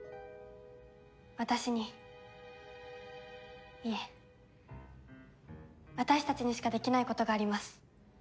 私にいえ私たちにしかできないことがあります。